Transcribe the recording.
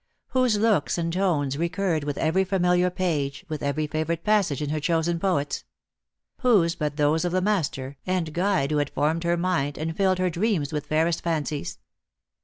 _ Whose looks and tones recurred with every familiar page, with every favourite passage in her chosen poets ? Whose but those of the master and guide who had formed her mind, and filled her dreams with fairest fancies